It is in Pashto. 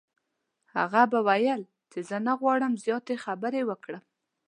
هغه به ویل چې زه نه غواړم زیاتې خبرې وکړم.